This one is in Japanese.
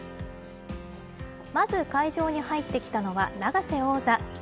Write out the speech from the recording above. まず会場に入ってきたのは永瀬王座。